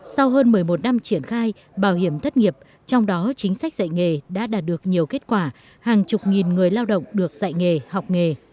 sau hơn một mươi một năm triển khai bảo hiểm thất nghiệp trong đó chính sách dạy nghề đã đạt được nhiều kết quả hàng chục nghìn người lao động được dạy nghề học nghề